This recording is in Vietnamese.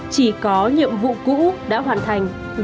chỉ có nhiệm vụ cũ đã hoàn thành và nhiệm vụ mới phải phân đấu